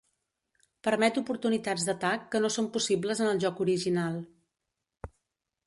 Permet oportunitats d'atac que no són possibles en el joc original.